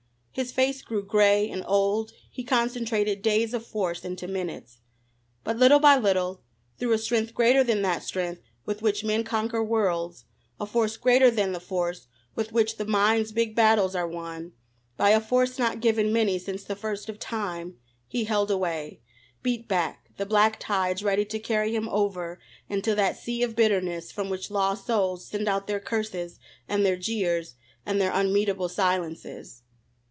His face grew grey and old, he concentrated days of force into minutes, but little by little, through a strength greater than that strength with which men conquer worlds, a force greater than the force with which the mind's big battles are won, by a force not given many since the first of time, he held away, beat back, the black tides ready to carry him over into that sea of bitterness from which lost souls send out their curses and their jeers and their unmeetable silences.